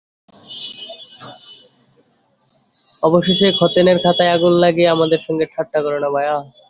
অবশেষে খতেনের খাতায় আগুন লাগিয়ে আমাদের সঙ্গে ঠাট্টা করো না, ভায়া।